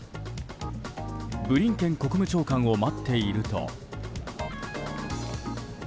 ブリンケン国務長官を待っていると。